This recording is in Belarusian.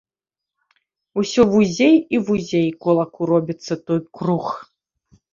Усё вузей і вузей кулаку робіцца той круг.